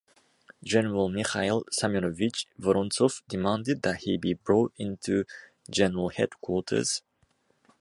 General Mikhail Semyonovich Vorontsov demanded that he be brought into general headquarters.